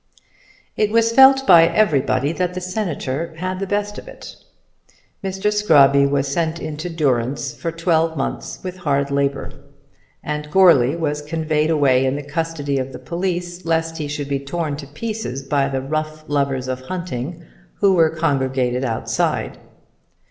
It was felt by everybody that the Senator had the best of it. Mr. Scrobby was sent into durance for twelve months with hard labour, and Goarly was conveyed away in the custody of the police lest he should be torn to pieces by the rough lovers of hunting who were congregated outside.